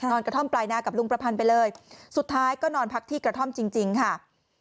กระท่อมปลายนากับลุงประพันธ์ไปเลยสุดท้ายก็นอนพักที่กระท่อมจริงจริงค่ะ